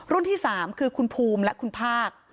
ที่๓คือคุณภูมิและคุณภาค